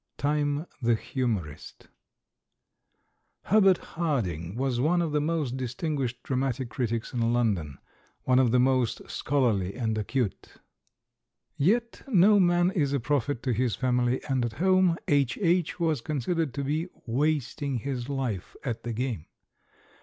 TIME, THE HUINIORIST Herbert Harding was one of the most dis tinguished dramatic critics in London, one of the most scholarly and acute. Yet no man is a prophet to his family, and at home "H.H." was considered to be "wasting his life at the game."